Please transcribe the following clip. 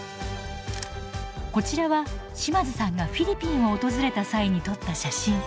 こちらは島津さんがフィリピンを訪れた際に撮った写真。